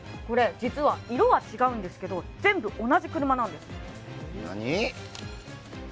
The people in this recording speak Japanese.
これ実は色は違うんですけど全部同じ車なんです何？